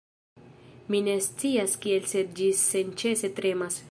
Mi ne scias kial sed ĝi senĉese tremas